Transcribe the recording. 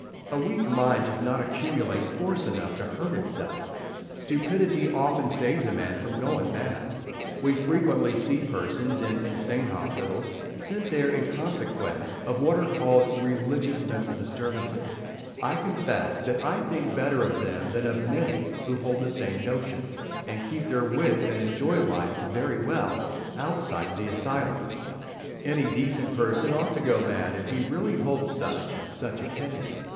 A weak mind does not accumulate force enough to hurt itself; stupidity often saves a man from going mad. We frequently see persons in insane hospitals, sent there in consequence of what are called religious mental disturbances. I confess that I think better of them than of many who hold the same notions, and keep their wits and enjoy life very well, outside of the asylums. Any decent person ought to go mad if he really holds such and such opinions….